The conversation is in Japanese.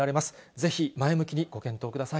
ぜひ、前向きにご検討ください。